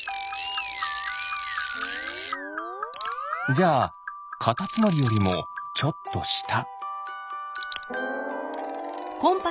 じゃあカタツムリよりもちょっとした。